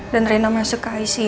dan rena masuk ke icu